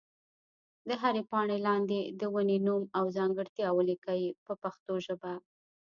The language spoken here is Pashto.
د هرې پاڼې لاندې د ونې نوم او ځانګړتیا ولیکئ په پښتو ژبه.